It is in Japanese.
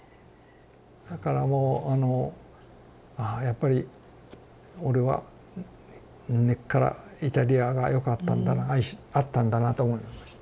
だからもうあの「ああやっぱり俺は根っからイタリアがよかったんだな合ったんだな」と思いました。